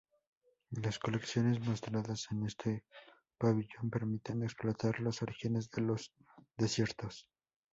Las colecciones mostradas en este pabellón permiten explorar los orígenes de los desiertos.